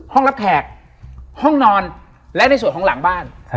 รับแขกห้องนอนและในส่วนของหลังบ้าน